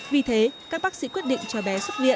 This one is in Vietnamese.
vì thế các bác sĩ quyết định cho bé xuất viện